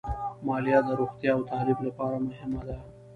مالیه د روغتیا او تعلیم لپاره مهمه ده.